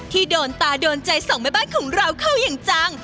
ที่โดนตาโดนใจสองแม่บ้านของเราเข้าอย่างจัง